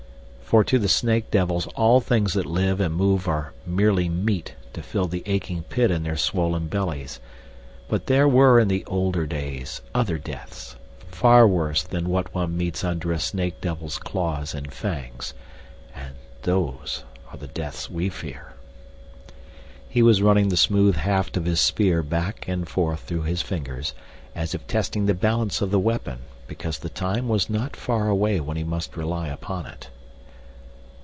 For to the snake devils all things that live and move are merely meat to fill the aching pit in their swollen bellies. But there were in the old days other deaths, far worse than what one meets under a snake devil's claws and fangs. And those are the deaths we fear." He was running the smooth haft of his spear back and forth through his fingers as if testing the balance of the weapon because the time was not far away when he must rely upon it.